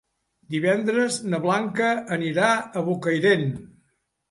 Divendres na Blanca anirà a Bocairent.